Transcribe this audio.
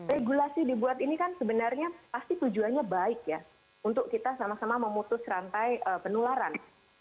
regulasi dibuat ini kan sebenarnya pasti tujuannya baik ya untuk kita sama sama memutus rantai penularan